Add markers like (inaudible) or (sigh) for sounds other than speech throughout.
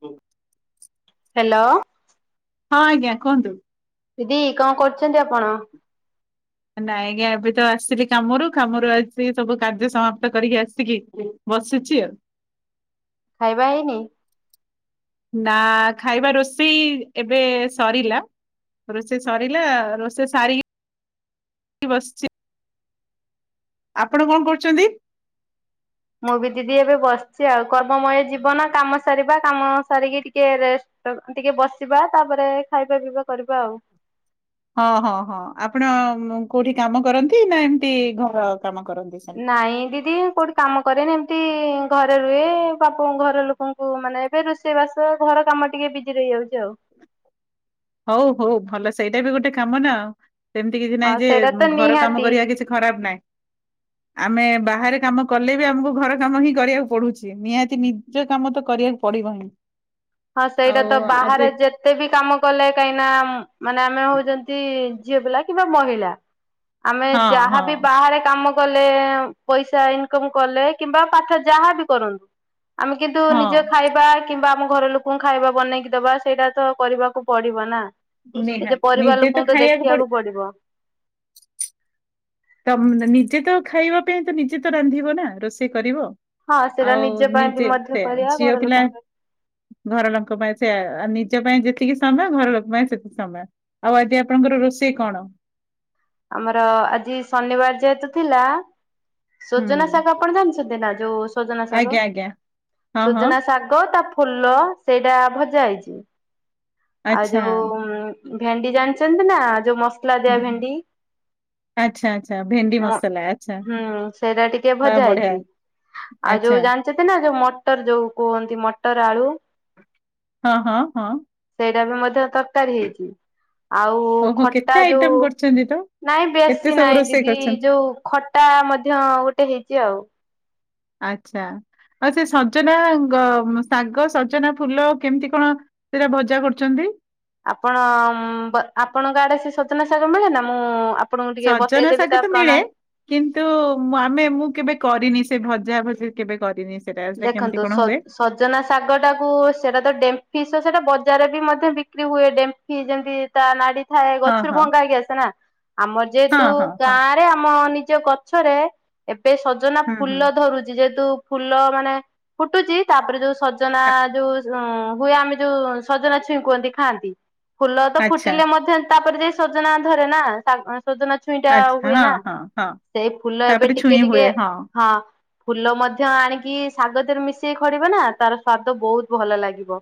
ଓ। Hello. ହଁ ଆଜ୍ଞା କୁହନ୍ତୁ? ଦିଦି କଁ କରୁଛନ୍ତି ଆପଣ? ନାଇଁ ଜ୍ଞା ଏବେତ ଆସିଲି କାମରୁ କାମରୁ ଆସି ସବୁ କାର୍ଯ୍ୟ ସମାପ୍ତ କରିକି ଆସିକି ବସିଚି ଆଉ। ଖାଇବା ହେଇନି? ନା ଖାଇବା ରୋଷେଇ ଏବେ ସରିଲା। ରୋଷେଇ ସରିଲା ରୋଷେଇ ସାରିକି ବସିଚି ଆପଣ କଣ କରୁଚନ୍ତି? ମୁଁ ବି ଦିଦି ଏବେ ବସିଚି ଆଉ କର୍ମମୟ ଯିବନ କାମ ସାରିବା କାମ ସାରିକି ଟିକେ ରେଷ୍ଟ ଟ ଟିକେ ବସିବା ତାପରେ ଖାଇବା ପିଇବା କରିବା ଆଉ। ହଁ ହଁ ହଁ ଆପଣ ମୁ କୋଉଠି କାମ କରନ୍ତି ନା ଏମତି ଘର କାମ କରନ୍ତି? ସେମିତି? ନାଇଁ ଦିଦି କୋଉଠି କାମ କରେନି ଏମତି ଘରେ ରୁହେ ବାପ ଘର ଲୋକଙ୍କୁ ମାନେ ଏବେ ରୋଷ ସେ ବାସ ଘର କାମ ଟିକେ ବିଜି ରହିଯାଉଚି ଆଉ। ହଉ ହଉ ଭଲ ସେଇଟା ବି ଗୋଟେ କାମ ନା ଉ ସେମିତି କିଛି ହଁ ନାଇଁ ଯେ ସେଇଟା ତ ଘର କାମ କରିବା କିଛି ଖରାପ ନାଇଁ। ହ ଆମେ ବାହାରେ କାମ କଲେ ବି ଆମକୁ ଘର କାମ ହିଁ କରିବାକୁ ପଡୁଛି ନିହାତି ନିଜ କାମ ତ କରିବାକୁ ପଡିବହିଁ। ହଁ ସେଇଟା ତ ବାହାରେ ଯେତେ ବି କାମ କଲେ କାହିଁନା ଉମ ମାନେ ଆମେ ହଉଚନ୍ତି ଝିଅ ପିଲ କିମ୍ବା ମହିଳା ଆମେ ହଁ ହଁ ଯାହାବ ବାହାରେ କାମ କଲେ ଉଁ ପଇସା ଇନକମ କଲେ କିମ୍ବା ପାଖେ ଯାହାବି କରନ୍ତୁ ଆମେ କିନ୍ତୁ ନିଜ ହଁ ଖାଇବା କିମ୍ବା ଆମ ଘର ଲୋ କୁ ଖାଇବା ବନେଇକି ଦବା ସେଇଟା ତ କରିବାକୁ ପଡିବ ନା। ନିଜ ନିହାତି ପରିବାର ନିଜେ ଲୋକଙ୍କୁ ତ ଖାଇବାକୁ ପଡି ଦେଖିବାକୁ ପଡିବ। ତମ ନିଜେ ତ ଖାଇବା ପାଇଁ ତ ନିଜେ ତ ରାନ୍ଧିବ ନା ରୋଷେଇ କରିବ। ହଁ ସେଇଟା ଆଉ ନିଜ ପାଇଁ ବି ନିଜେ ମଧ୍ୟ ତେ କରିବା ଝିଅ ଘର ପିଲା ଲୋକଙ୍କ ପାଇଁ ଘର ଲୋଙ୍କ ପାଇଁ ସେ ଆ ନିଜ ପାଇଁ ଯେତିକି ସମୟ ଘର ଲୋକ ପାଇଁ ସେତିକି ସମୟ। ଆଉ ଆଜିି ଆପଣଙ୍କର ରୋଷେଇ କଣ? ଆମର ଆଜି ଶନିବାର ଯେହେତୁ ଥିଲା। ହୁଁ ସୋଜନା ଶାଗ ଆପଣ ଜାଣଚ ସୁଦେନା ଯୋଉ ସଜନା ଶାଗ। ଆଜ୍ଞା ଆଜ୍ଞା ହଁ ହଁ ସୁଜନା ଶାଗ ତା ଫୁଲ ସେଇଟା ଭଜା ହେଇଚି। ଆଉ ଆଚ୍ଛା। ଯୋଉ ଉମ ଭେଣ୍ଡି ଜାଣିଛନ୍ତି ନା ଯୋଉ ମସଲା ଦିଆ ଭେଣ୍ଡି? ଆଛା ଆଛା। ଅ ହୁଁ ସେଇଟା ଟିକେ ବା ଭଜା ବଢିଆ ହେଇଚି ଆଉ ଆଚ୍ଛା। ଯୋଉ ଜାଣ ଚେତେ ନା ଯୋଉ ମଟର ଯୋଉ କୁହନ୍ତି ମଟର ଆଳୁ। ହଁ ହଁ ହଁ। ସେଟା ବି ମଧ୍ୟ ତରକାରୀ ହେଇଛି ଆଉ ଖଟା ଯୋଉ। ସେଁତି ତ। ନାଇଁ କେତେ ବେଶୀ ସବୁ ନାଇଁ ରୋଷେଇ ଦିଦି କରିଛନ୍ତି ଯୋଉ ଖଟା ମଧ୍ୟ ଗୋଟେ ହେଇଛି ଆଉ। ଆଛା ଆଉ ସେ ସଜନା ଗ ଶାଗ ସଜନା ଫୁଲ କେମିତି କଣ। ସେଇଟା ଭଜା କରୁଛନ୍ତି। ଆପଣ ମ୍ବ ଆପଣଙ୍କ ଆଡେ ସେ ସଜନା ଶାଗ ମିଳେ ନା ମୁଁ ଆପ ଆପଣଙ୍କୁ ଟିକେ ସଜନା ବତେଇଦେବି ଶାଗ ତା ତ ମିଳେ ପ୍ରଣାଳି। କିନ୍ତୁ ଆମେ ମୁଁ କେବେ କରିନି ସେ ଭଜା ଭଜି କେବେ କରିନି। ସେଟା ସେଇଟା ଦେଖନ୍ତୁ କେମତି କଣ ସ ହୁଏ। ସଜନା ଶାଗଟାକୁ ସେଇଟା ତ ଡେମ୍ଫି ସହ ସେଇଟା ବଜାରରେ ବି ମଧ୍ୟ ବିକ୍ରି ହୁଏ ଡେମ୍ଫି ଯେମିତି। ତା ନାଡି ଥାଏ ହଁ ଗଛରୁ ହଁ ଭଙ୍ଗା ହେଇକି ଆସେ ନା ଆମର ହଁ ଯେହେତୁ ହଁ ହଁ ଗାଁ। ରେ ଆମ ନିଜ ଗଛରେ ଏବେ ସଜନା ହୁଁ ହୁଁ ଫୁଲ ଧରୁଛି ଯେହେତୁ। ଫୁଲ ମାନେ ଫୁଟୁଛି ତାପରେ ଯୋଉ ସଜନା ଆ- ଯୋଉ। ଉଁ ହୁଏ ଆମେ ଯୋଉ ସଜନା ଛୁଇଁ କୁହନ୍ତି ଖାଆନ୍ତି ଫୁଲ ତ ଆଚ୍ଛା ଫୁଟିଲେ ମଧ୍ୟ ତାପରେ ଯାଇ ସ ସଜନା ଧରେ ନା ସାଗ ସଜନା ଛୁ ଛୁଇଁଟା ଆଚ୍ଛା ହୁଏ ହଁ ନା ହଁ ହଁ ସେଇ ଫୁଲ ଏବେ ତାପରେ ଟିକେ ଛୁଇଁ ଟିକେ ହୁଏ ହଁ। ଫୁଲ ମଧ୍ୟ ଆଣିକି ଶାଗ ଧିଏରେ ମିଶେଇ ଖଡିବେ ନା ତାର ସ୍ଵାଦ ବହୁତ ଭଲ ଲାଗିବ।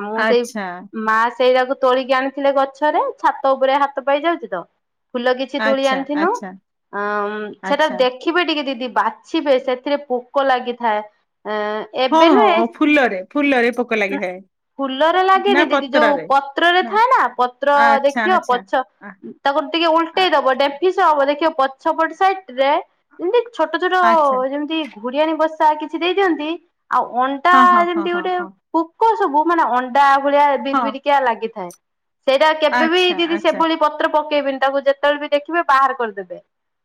ଆଉ ମୁଁ ସେଇ ଆଚ୍ଛା ମା ସେଇରା କୁ ତୋଳିକି ଆଣିଥିଲେ ଗଛରେ ଛାତ ଉପରେ ହାତ ପାଇ ଯାଉଛି ତ। ଫୁଲ କିଛି ତୁଳି ଆଚ୍ଛା ଆଣିଥିନୁ ଆଚ୍ଛା ଆଁ ସେଟା ଆଚ୍ଛା ଦେଖ। ଦେଖିବେ ଟିକେ ଦିଦି ବାଛିବେ ସେଥିରେ ପୋକ ଲାଗିଥାଏ। ଏବେ ହଁଁ ନୁହେଁ ଫୁଲରେ ଫୁଲରେ ପୋକ ଲାଗିଥାଏ। ଫୁଲରେ ନା ଲାଗେନି ଦିଦି ଯୋଉ ପତ୍ରରେ ପତ୍ରରେ ଥାଏ ନା ପତ୍ର ଆଚ୍ଛା ଦେଖିବ ଆଚ୍ଛା ପଛ। ଆ ତାକୁ ଟିକେ ଆ ଉଲଟେଇ ଦବ ଡେମ୍ପି ସହ ଦେଖିବ ପଛପଟ ସାଇଟ ରେ ଏମତି ଛୋଟ ଛୋଟ। ଆଚ୍ଛା। ଯେମତି ଘୁଡିଆଣି ବସା କିଛି ଦେଇଦିଅନ୍ତି ଆଉ ଅଣ୍ଟା ହଁ ହଁ ହଁ ଯେମିତି ହଁ ଗୋଟେ ହଁ ପୁ ପୋକ ସବୁ ମାନେ ଅଣ୍ଡା ଭଳିଆ ବିରି ହଁ ବିରିକିଆ ଲାଗିଥାଏ ସେଇଟା କେବେ ବି ଆଚ୍ଛା ଦିଦି ଆଚ୍ଛା ସେଭଳି। ପତ୍ର ପକେଇବେନି ତାକୁ ଯେତେବେଳେ ବି ଦେଖିବେ ବାହାର କରିଦେବେ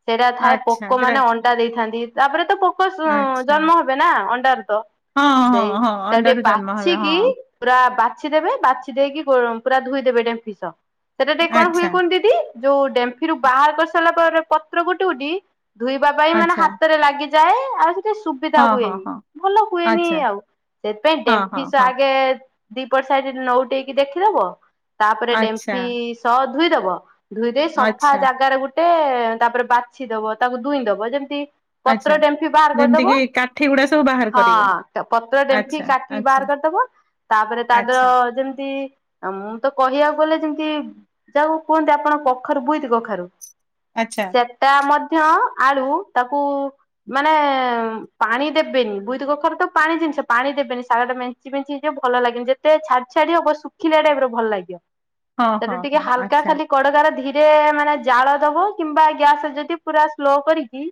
ସେଇଟା ଥାଏ ଆଚ୍ଛା ପୋକ ସେଟା ମାନେ ଅ ଣ୍ଡା ଦେଇଥାନ୍ତି ତାପରେ ତ ପୋକ ସ ଉଁ। ଆଚ୍ଛା ଜନ୍ମ ହବେ ନା ଅଣ୍ଡାରୁ ତ ହଁ ହଁ ସେଇ ହଁ ସେଇଆକୁ ଅଣ୍ଡାରୁ ଟିକେ ଜନ୍ମ ହେବେ ବାଛି କିି। ହଁ ପୁରା ବାଛି ଦେବେ ବାଛି ଦେଇକି ଗୋ ପୁରା ଧୋଇଦେବେ ଡେମ୍ଫି ସହ। ସେଟା ଟିକେ କଣ ହୁଏ ଆଚ୍ଛା କୁହନି ଦିଦି ଯୋଉ ଡେମ୍ଫିରୁ ବାହାର କରି ସାରିଲା ପରେ ପତ୍ର ଗୋଟି ଗୋଟି। ଧୋଇବା ପାଇଁ ମାନେ ଆଚ୍ଛା ହାତରେ ଲାଗିଯାଏ ଆଉ ସେ ଟିକେ ସୁ ସୁବିଧା ହଁ ହଁ ହୁଏନି ହଁ ଭଲ ହୁଏନି ଆଚ୍ଛା ଆଉ ସେଥିପାଇଁ ହଁ ହଁ ଡେମ୍ଫି ସହ ହଁ ଆଗେ। ଦିପଟ ସାଇଡି ନୋଉ ଟେଇକି ଦେଖି ଦବ ତାପରେ ଆଚ୍ଛା ଡେମ୍ଫି ସହ ଧୁଇ ଦବ। ଧୁଇ ଦେଇ ସଫା ଆଚ୍ଛା ଜାଗାରେ ଗୋଟେ ତାପରେ ବାଛି ଦବ ତାକୁ ଦୁଇଁ ଦବ ଯେମିତି। ଆଚ୍ଛା ପତ୍ର ଡେମ୍ପି ବାହାର କରି। ଯେମିତି ଦବ କିି କାଠି ଗୁଡା ସବୁ ବାହାର ହଁ କରିବ ତା ପତ୍ର ଡେମ୍ଫି ଆଚ୍ଛା କାଟିକି ଆଚ୍ଛା ବାହାର କରିଦବ। ତାପରେ ତା ଆଚ୍ଛା ଦେହରେ ଯେମିତି। ଆଉ ମୁଁ ତ କହିବାକୁ ଗଲେ ଯେମିତି ଯା କୁ କୁହନ୍ତି ଆପଣ କଖାରୁ ବୁଇତି କଖାରୁ। ଆଚ୍ଛା। ସେଟା ମଧ୍ୟ ଆଳୁ ତାକୁ ମାନେ। ପାଣି ଦେବେନି ବୁଇତି କଖାରୁ ତ ପାଣି ଜିନିଷ ପାଣି ଦେବେନି ସାଗ ଟା ମେଞ୍ଚି ମେଞ୍ଚି ହେଇ ଯିବ ଭଲ ଲାଗେନି ଯେ ଯେତେ ଛାଡି ଛାଡି ହବ ଶୁଖିଲା ଟାଇପ ର ଭଲ ଲାଗିବ ହଁ ସେଠୁ ହଁ ଟିକେ ହଁ ହାଲକା ଆଚ୍ଛା ଖାଲି। କଡକାର ର ଧୀରେ ମାନେ ଜାଳ ଦବ କିମ୍ବା ଗ୍ୟାସ ରେ ଯଦି ପୁରା ସ୍ଲୋ କରିକି।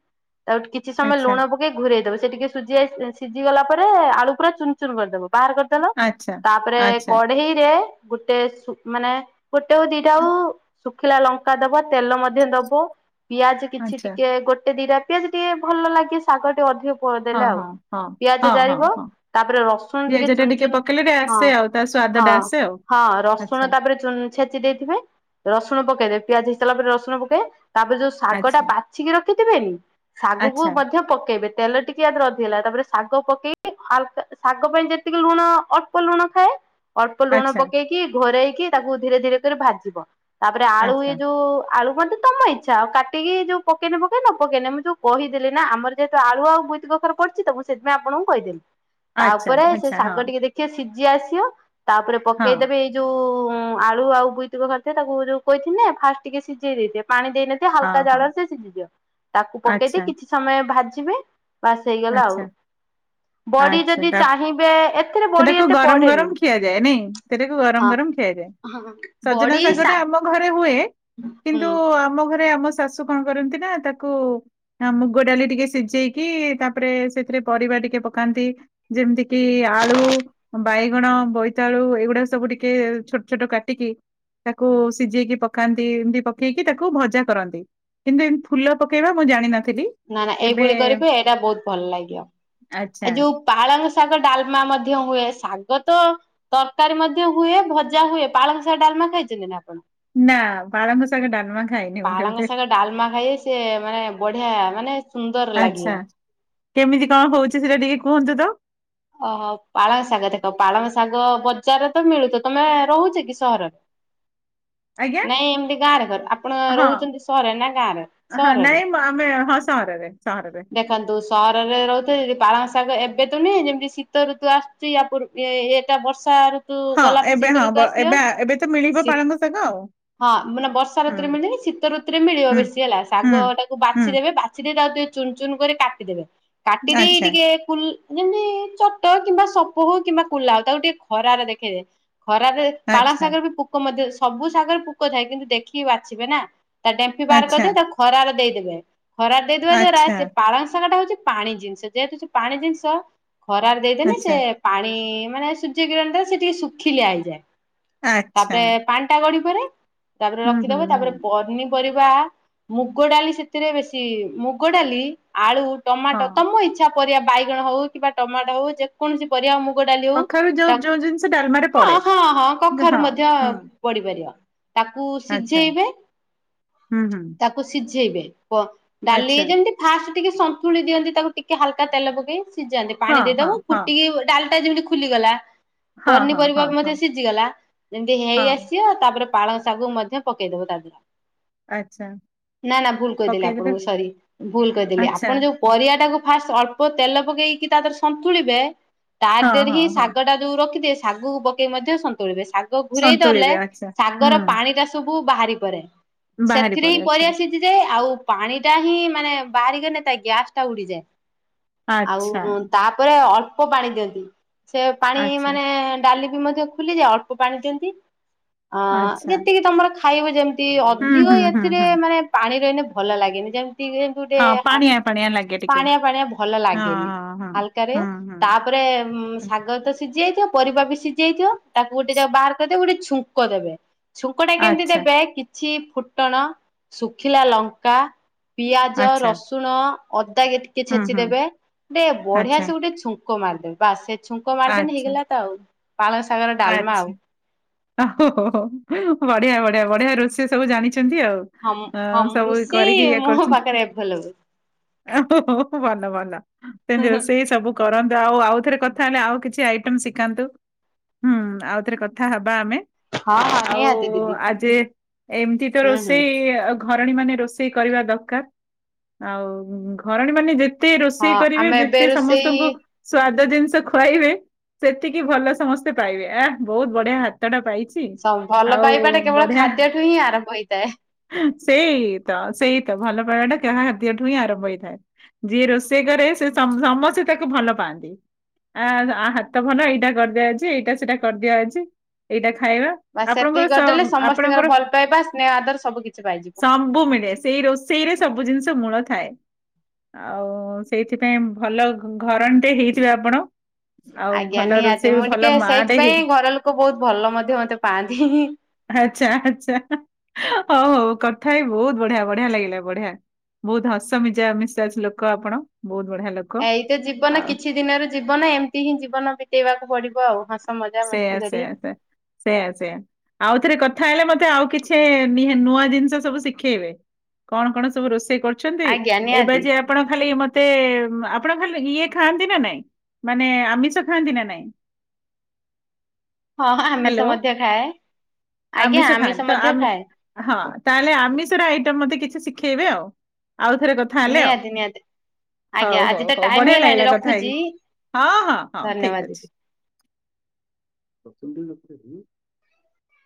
ତାକୁ ଟି କିଛି ସମୟ ଆଚ୍ଛା ଲୁଣ ପକେଇ ଘୁରେଇ ଦବ ସେ ଟିକେ ସୁଝି ଆସି ସିଝି ଗଲା ପରେ ଆଳୁୁରା ଚୁନ ଚୁନ କରିଦବ। ବାହାର କରିଦେଲ ଆଚ୍ଛା ତାପରେ ଆଚ୍ଛା କଢେଇରେ ଗୋଟେ ସୁ ମାନେ। ଗୋଟେ ହଉ ଦିଟା ହଉ ଶୁଖିଲା ଲଙ୍କା ଦବ ତେଲ ମଧ୍ୟ ଦବ। ପିଆଜ କିଛି ଆଚ୍ଛା ଟିକେ ଗୋଟେ ଦିଟା ପିଆଜ ଟିକେ ଭଲ ଲାଗେ ଶାଗ ଟିକେ ଅଧିକ। କ ହଁ ଦେଲେ ଆଉ ହଁ ହଁ ପିଆଜ ହଁ ହଁ ଜାରିବ ହଁ ତାପରେ ରସୁଣ ଟିକେ ପିଆଜ ଟା ଚୁନ ଚୁନ ପକେଇଲେ ଟିକେ ହଁ। ଆସେ ଆଉ ତା ସ୍ଵାଦ ହଁ ଟା ଆସେ ହଁ ରସୁଣ ଆଉ। ତାପରେ ଉଁ ଛେଚି ଦେଇଥିବେ ରସୁଣ ପକେଇବେ ପିଆଜ ହେଇସାଇଲା ପରେ ରସୁଣ ପକେଇବେ ତାପରେ ଯୋଉ ଶାଗଟା ଆଚ୍ଛା ବା ଛିକି ରଖିଥିବେନି ଶାଗକୁ ଆଚ୍ଛା ମଧ୍ୟ ପକେଇବେ ତେଲ ଟିକେ ଆଦେହରେ ଅଧିକ ଲାଗେ ତାପରେ ଶାଗ ପକେଇକି ହାଲକା ଶାଗ ପାଇଁ ଯେତିକି ଲୁଣ ଅ ଳ୍ପ ଲୁଣ ଖାଏ ଅଳ୍ପ ଲୁଣ ଆଚ୍ଛା ପକେଇକି ଘୋରେଇକି ତାକୁ ଧୀରେ ଧୀରେ କରି ଭାଜିବ। ତାପରେ ଆଳୁ ଏ ଆଚ୍ଛା ଯୋଉ ଆଳୁ (unintelligible) ତମ ଇ ଆଛା ଆଉ କାଟିକି ଯୋଉ ପକେଇନେ ପକୁଅ ନ ପକେଇନେ ମୁଁ ଯୋଉ କହିଦେଲି ନା ଆମର ଯେହେତୁ ଆଳୁ ଆଉ ବୋଇତି କଖର ପଡିଚି ତ ମୁଁ ସେଥିପାଇଁ ଆପଣଙ୍କୁ କହିଦେଲି ତା ଆଚ୍ଛା ଆଚ୍ଛା ଉପରେ ସେ ଆଚ୍ଛା ଶାଗ ହଁ ଟିକେ ଦେ ଖିଏ ସିଜି ଆସିବ ତାପରେ ହଁ ପକେଇଦେବେ ଏଇ ଯୋଉ ଆଳୁ ଆଉ ବୋଇତି କଖାରୁ ଥାଏ ତାକୁ ଯୋଉ କହିଥିଲି ନା ଫାଷ୍ଟ ଟିକେ ସିଜେଇ ଦେଇଥିବେ ପାଣି ଦେଇନ ହଁ ହାଲକା ହଁ ଜାଳରେ ସେ ସିଝି ଯିବ ତାକୁ ଆଚ୍ଛା ପକେଇଦେଇ କିଛି ସମୟ ଭାଜିବେ ପାସ୍ ହେଇଗଲା ଆଉ। ଆଚ୍ଛା ବଡି ଆଚ୍ଛା ଯଦି ତା ଚାହିଁବେ ଏଥିରେ ବଡି ସେଟାକୁ ଏତେ ଗରମ ପଡେନି। ଗରମ ଖିଆଯାଏ ନାଇଁ ସେଟାକୁ ହଁ। ଗରମ ଗରମ ଖିଆଯାଏ ହଁ। ସଜନା ବଡି ଶା ଶାଗଟା ଆମ ଘରେ ହୁଏ ହୁଁ କିନ୍ତୁ ଆମ ଘରେ ଆମ ଶାଶୁ କଣ କରନ୍ତି ନା ତାକୁ ଆ ମୁଗ ଡାଲି ଟିକେ ସିଜେଇକି ତା ତାପରେ ସେଥିରେ ପରିବା ଟିକେ ପକାନ୍ତି ଯେମତି କି ଆଳୁ ବାଇଗଣ ବୋଇତାଳୁ ଏଇଗୁଡାକ ସବୁ ଟିକେ ଛୋଟ ଛୋଟ କାଟିକି ତାକୁ ସିଜେଇକି ପକାନ୍ତି ଏମତି ପକେଇକି ତାକୁ ଭଜା କରନ୍ତି। କିନ୍ତୁ ଏମ ଫୁଲ ପକେଇବା ମୁଁ ଜାଣିିନଥିଲି ନା ନା ଏଇଭଳି କରିବେ ଏଇଟା ବୋହୁତ ଭଲ ଲାଗିବ। ଆ ଏ ଆଚ୍ଛା ଯୋଉ ପାଳଙ୍ଗ ଶାଗ ଡାଲମା ମଧ୍ୟ ହୁଏ ଶାଗ ତ ତରକାରୀ ମଧ୍ୟ ହୁଏ ଭଜା ହୁଏ ପାଳଙ୍ଗ ଶାଗ ଡାଲମା ଖାଇଛନ୍ତି ନା ଆପଣ? ନା ପାଳଙ୍ଗ ସାଗ ଡାମା ଖାଇନି ମୁଁ କେବେ ପାଳଙ୍ଗ ବି। ଶାଗ ଡାଲମା ଖାଇଏ ସିଏ ମାନେ ବଢିଆ ମାନେ ସୁନ୍ଦର ଲାଗିବ। ଆଚ୍ଛା କେମିତି କଣ ହୋଉଚି ସେଟା ଟିକେ କୁହନ୍ତୁ ତ। ଅହ ପାଳଙ୍ଗ ଶାଗ ଦେଖ ପାଳଙ୍ଗ ଶାଗ ବ ଜାରରେ ତ ମିଳୁଥୁବ ତମେ ରହୁଚ କି ସହର? ଆଜ୍ଞା ହଁ ରହୁଛନ୍ତି ସହରରେ ନା ଗାଁରେ? ହଁ ସହରରେ। ନାଇଁମ ଆମେ ହଁ ସହରରେ। ସହରରେ। ଦେଖନ୍ତୁ ସହରରେ ରହୁଥୁବେ ଯଦି ପାଳଙ୍ଗ ଶାଗ ଏବେ ତ ନୁହେଁ ଯେମ ଶୀତ ଋତୁ ଆସୁଚି ଆପୁର ଇଏ ଏଇଟା ବର୍ଷା ଋ ତୁ ହଁ ଗଲାପରେ ଏବେ ହଁ ଶୀତଋତୁ ବ ଆସିବା ଏବେ ଏବେ ତ ମିଳିବ ଶୀ ପାଳଙ୍ଗ ଶାଗ ଆଉ ହଁ ମାନେ ବର୍ଷା ହୁଁ ଋତୁରେ ମିଳେନି ଶୀତ ଋତୁରେ ମିଳିବ ହୁଁ ବେଶୀ ହେଲା ହୁଁ। ଶାଗଟାକୁ ହୁଁ ବାଛି ଦେବେ ବା ଛି ଦେଇ ତାକୁ ଟିକେ ଚୁନ ଚୁନ କରି କାଟିଦେବେ କାଟି ଦେଇ ଆଚ୍ଛା ଟିକେ କୁଲ୍ ଯେମତି ଖଟ କିମ୍ବା ସପ ହୋଉ କିମ୍ବା କୁଲା ହୋଉ ତାକୁ ଟିକେ ଖରାରେ ଦେଖେଇବେ ଖରାରେ ପାଳଙ୍ଗ ଆଚ୍ଛା ଶାଗରେ ବି ପୋ କ ମଧ୍ୟ ସବୁ ଶାଗରରେ ପୋକ ଥାଏ କିନ୍ତୁ ଦେଖିକି ବାଛିବେ ନା ତା ଡେମ୍ଫି ବାହାର ଆଚ୍ଛା କରିଦେବେ ତାକୁ ଖରାରେ ଦେଇଦେବେ ଖରାରେ ଦେଇଦବା ଦ୍ଵାରା ଆଚ୍ଛା ସେ ପାଳଙ୍ଗ ସାଙ୍ଗଟା ହୋଉଚି ପାଣି ଜିନିଷ ଯେହେତୁ ସେ ପାଣି ଜିନିଷ ଖରାରେ ଦେଇଦେନେ ଆଚ୍ଛା। ସିଏ ପାଣି ମାନେ ସୂର୍ଯ୍ୟ କିରଣ ଥାଏ ସିଏ ଟିକେ ଶୁଖିଲିଆ ହେଇଯାଏ ଆଚ୍ଛା ତାପରେ ପାଣିଟା ଗଡି ପଡେ ତାପରେ ହୁଁ ହୁଁ ରଖିଦବ ହୁଁ ତାପରେ ପନି ପରିବା ମୁଗ ଡାଲି ସେଥିରେ ବେଶୀ ମୁଗ ଡାଲି ଆଳୁ, ଟମାଟୋ ହଁ ତମ ଇଚ୍ଛା ପରିବା ବାଇଗଣ ହୋଉ କିମ୍ବା ଟମାଟୋ ହୋଉ ଯେ କୌଣସି ପରିବା ମୁଗ ଡାଲି ହୋଉ କଖାରୁ ଯୋଉ ତାକ୍ ଯୋଉ ଜିନିଷ ଡାଲମାରେ ହଁ ପଡେ। ହଁ ହଁ କଖାରୁ ହୁଁ ମଧ୍ୟ ପଡିପାରିବା ତାକୁ ଆଚ୍ଛା ସିଝେଇବେ ହୁଁ ହୁଁ ତା କୁ ସିଝେଇବେ ପ ଡାଲି ଆଚ୍ଛା ଯେମିତି ଫାଷ୍ଟେ ଟିକେ ସନ୍ତୁଳି ଦିଅନ୍ତି ତାକୁ ଟିକେ ହାଲକା ତେଲ ପକେଇ ସିଜାନ୍ତି। ହଁ ପାଣି ହଁ ଦେଇଦବ ହଁ। ଫୁଟିକି ଡାଲିଟା ଯେମିତି ଖୁଲିଗଲା ହଁ ହଁ ପନିପରିବା ହଁ ମଧ୍ୟ ହଁ ସିଜିଗଲା ଯେମତି ହେଇ ହଁ ଆସିବ ତାପରେ ପାଳଙ୍ଗ ଶାଗକୁ ମଧ୍ୟ ପକେଇଦବ ତା ଦେହରେ। ଆଚ୍ଛା ନା ନା ଭୁଲ କହିଦେଲି ପକେଇଦେଲେ ଆପଣଙ୍କୁ ସରି ଭୁଲ କହିଦେଲି। ଆଚ୍ଛା ଆପଣ ଯୋଉ ପରିବା ଟାକୁ ଫାଷ୍ଟ ଅଳ୍ପ ତେଲ ପକେଇକି ତା ଦେହରେ ସନ୍ତୁଳିବେ ତା ହଁ ଦେହରେ ହଁ ହିଁ ହଁ। ଶାଗଟା ଯୋଉ ରଖିଦିଏ ଶାଗକୁ ପକେଇ ମଧ୍ୟ ସନ୍ତୁଳିବେ ଶାଗ ଘୁରେଇଦଲେ ସନ୍ତୁଳିବେ ଆଚ୍ଛା ଶାଗର ହୁଁ ପାଣି ଟା ତୁବୁ ବାହାରି ପରେ। ବାହାରି ସେଥିରେ ପଡେ ହିଁ ଆଚ୍ଛା ପରିବା ସି ଯି ଯାଏ ଆଉ ପାଣି ଟା ହିଁ ମାନେ ବାହାରିଗନେ ତା ଗ୍ୟାସଟା ଉଡିଯାଏ। ଆଚ୍ଛା ଆଉ ତାପରେ ଅଳ୍ପ ପାଣି ଦିଅନ୍ତି ସେ ପାଣି ଆଚ୍ଛା। ମାନେ ଡାଲି ବି ମଧ୍ୟ ଫୁଲିଯାଏ ଅଳ୍ପ ପାଣି ଦିଅନ୍ତି ଅ ଆଚ୍ଛା ଯେତିକି ତମର ଖାଇବ ଯେମ ତି ହୁଁ ଅଧିକ ହୁଁ ହୁଁ ଏଥିରେ ହୁଁ ମାନେ ପାଣି ରହିଲେ ଭଲ ଲାଗେନି ଯେମିତି ଟୁଟେ ହଁ ହା ପାଣିଆ ପାଣିଆ ଲାଗେ ଟିକେ ପାଣିଆ ପାଣିଆ ଭଲ ହଁ ଲାଗେନି ହଁ ହଁ। ହାଲକାରେ ହୁଁ ହୁଁ ତା ତାପରେ ଶାଗ ତ ସିଜି ଯାଇଥିବ ପରିବା ବି ସିଜି ଯାଇଥିବ ତାକୁ ଗୋଟେ ଯା ବାଆର କରିଦେବେ ଗୋଟେ ଛୁଙ୍କ ଦେବେ। ଛୁଙ୍କ ଟା କେମିତି ଆଚ୍ଛା ଦେବେ କିଛି ଫୁଟଣ, ଶୁଖିଲା ଲଙ୍କା ପିଆଜ, ଆଚ୍ଛା ରସୁଣ, ଅଦା କି ଟିକେ ହୁଁ ଛେଚି ହୁଁ ଦେବେ ଟେ ବଢିଆ ଆଚ୍ଛା ସେ ଗୋଟେ ଛୁଁ ଙ୍କ ମାରିଦେବେ ବାସ ସେ ଛୁଙ୍କ ମାରିଦେଲେ ଆଚ୍ଛା। ହେଇଗଲା ତ ଆଉ। ପାଳଙ୍ଗ ଶାଗର ଡାଲମା ଆଉ। ଓହ ବଢିଆ ବଢିଆ ବଢିଆ ରୋଷେଇ ସବୁ ଜାଣିଛନ୍ତି ଆଉ। ହଁମୁଁ ଅ ହଁ ମୁଁ ସବୁ ରୁଷେଇ କରିକି ମୋ ପାଖରେ ଆ ଭଲ ହୁଏ। ଓ ଓ ହ ଭଲ ଭଲ ସେମିତି ର ସେ ସବୁ କରନ୍ତୁ ଆଉ ଆଉଥରେ କଥା ହେଲେ ଆଉ କିଛି ଆଇଟମ ଶିଖାନ୍ତୁ। ହୁଁ ଆଉଥରେ କଥା ହବା ଆମେ। ହଁ ହଁ ଆଉ ନିହାତି ଦିଦି। ଆଜି ଏମିତି ତ ହୁଁ ହୁଁ ରୋଷେଇ ଘରଣୀ ମାନେ ରୋଷେଇ କରିବା ଦରକାର। ଆଉ ଘରଣୀ ମାନେ ଯେତ ତେ ରୋଷେଇ ହଁ କରିବେ ଆମେ ଏବେ ଯେତେ ରୋଷେଇ ସମସ୍ତଙ୍କୁ ସ୍ଵାଦ ଜିନିଷ ଖୁଆଇବେ ସେତିକି ଭଲ ସମସ୍ତେ ପାଇବେ ଆ ବହୁତ ବଢିଆ ହାତ ଟା ପାଇଚି। ସ ଭଲ ପାଇବାଟା କେବଳ ଖାଦ୍ୟଠୁ ହିଁ ଆରମ୍ଭ ହେଇଥାଏ। ସେଇ ତ ସେଇତ ଭଲ ପାଇବାଟା କାହା ଖାଦ୍ୟ ଠୁହିଁ ଆର ଥାଏ ଯିଏ ରୋଷେଇ କରେ ସେ ସମସ୍ତେ ତାକୁ ଭଲ ପାଆନ୍ତି। ଆ ହାତ ଭଲ ଏଇଟା କରିଦେ ଆଜି ଏଇଟା ସେଇଟା କରିଦିଆ ଆଜି ଏଇଟା ଖାଇବା। ବାସ ଆପଣଙ୍କର ସେତିକି କରିଦେଲେ ସ- ସମସ୍ତଙ୍କର ଆପଣଙ୍କର ଭଲ ପାଇବା ସ୍ନେହ ଆଦର ସବୁ କିିଛି ପାଇଯିବୁ। ବୁ ମିଳେ ସେଇ ରୋଷେଇ ରେ ସବୁ ଜିନିଷ ମୂଳ ଥାଏ। ଆଉ ସେଇଥିପାଇଁ ଭଲ ଘରଣିଟେ ହେଇଥିବେ ଆପଣ। ଆଉ ଆଜ୍ଞା ଭଲ ନିହାତି ରୋଷେଇ ମୁଁ ଭଲ ଟିକେ ମା ଟେ ହେଇ ସେଇଥିପାଇଁ ଘର ଲୋକ ବହୁତ ଭଲ ମଧ୍ୟ ମତେ ପାଆନ୍ତି। ଆଛା ଆଛା ହଉ ହଉ କଥା ହେଇ ବହୁତ ବଢିଆ ବଢିଆ ଲାଗିଲା ବଢିଆ। ବହୁତ ହସ ମିଜା ମିଶା ଲୋକ ଆପଣ ବହୁତ ବଢିଆ ଲାଗୁ ଏଇତ ଜୀବନ କିଛି ଦିନର ଜୀବନ ଏମିତି ହିଁ ଜୀବନ ବିତେଇବାକୁ ପଡିବ ଆଉ ହସ ମଜା ସେଇଆ ମସ୍ତି କରି। ସେଇଆ ସେ ସେଇଆ ସେଇଆ। ଆଉ ଥରେ କଥା ହେଲେ ମତେ ଆଉ କିଛି ନୀହା ନୂଆ ଜିନିଷ ସବୁ ଶିଖେଇବେ। କଣ କଣ ସବୁ ରୋଷେଇ କରୁଛନ୍ତି ଆଜ୍ଞା ଏବେ ନିହାତି ଯ ଆପଣ ଖାଲି ମତେ ଆପଣ ଖାଲି ଇଏ ଖାଆନ୍ତି ନା ନାଇଁ ମାନେ ଆମିଷ ଖାଆନ୍ତି ନା ନାଇଁ। ହଁ ଆମିଷ ହ୍ୟାଲୋ। ମଧ୍ୟ ଖାଏ। ଆଜ୍ଞା ଖାଆନ୍ତି ଆମିଷ ତ ମଧ୍ୟ ଆମେ ଖାଏ। ହଁ ତାହେଲେ ଆମିଷର ଆଇଟମ ମତେ କିଛି ଶିଖେଇବେ ଆଉ। ଆଉଥରେ କଥା ହେଲେ ଆଉ। ନିହାତି ନିହାତି। ଆଜ୍ଞା ହଉ ଆଜି ହଉ ତ ହଉ ଟାଇମ ବଢିଆ ହେଇଗଲାଣି ଲାଗିଲା କଥା ରଖୁଛି ହେଇକି ହଁ ହଁ ହଁ ଠିକ ଧନ୍ୟବାଦ। ଅଛି। (unintelligible)